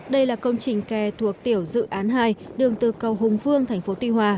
đây là công trình kè thuộc tiểu dự án hai đường từ cầu hùng vương thành phố tuy hòa